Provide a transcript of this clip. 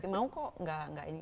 mau kok enggak